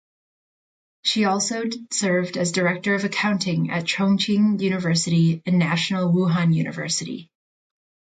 She also served as Director of Accounting at Chongqing University and National Wuhan University.